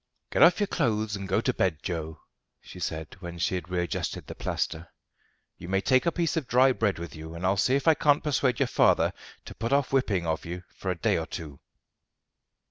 "Get off your clothes and go to bed, Joe," she said when she had readjusted the plaster. "You may take a piece of dry bread with you, and I'll see if I can't persuade your father to put off whipping of you for a day or two."